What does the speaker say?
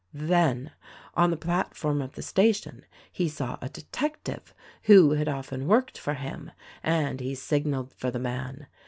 Then, on the platform of the station, he saw a detective who had often worked for him, and he signaled for the man.